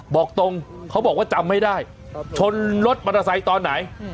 บอกตรงเขาบอกว่าจำไม่ได้ชนรถมอเตอร์ไซค์ตอนไหน